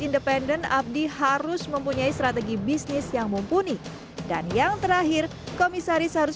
independen abdi harus mempunyai strategi bisnis yang mumpuni dan yang terakhir komisaris harus